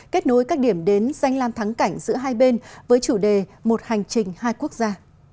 kết nối các điểm đến danh lam thắng cảnh giữa hai bên với chủ đề một hành trình hai quốc gia